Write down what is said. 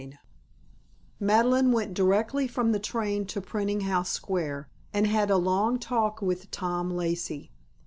XL Madeline went directly from the train to Printing House Square and had a long talk with "Tom" Lacey.